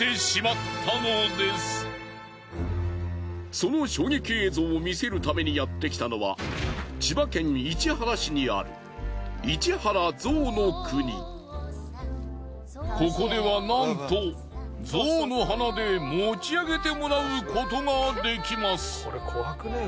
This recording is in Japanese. その衝撃映像を見せるためにやってきたのは千葉県市原市にあるここではなんとゾウの鼻で持ち上げてもらうことができます。